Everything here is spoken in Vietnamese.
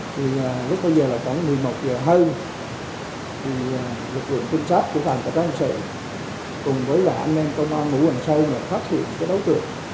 thì lúc đó giờ là khoảng một mươi một giờ hơn thì lực lượng tinh sát của phạm cảnh đoàn sơn cùng với là anh em công an hữu hành sơn đã phát hiện cái đấu trường